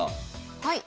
はい。